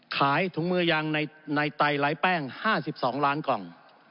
ขายถุงมือยางในไตไร้แป้ง๕๒ล้านกล่อง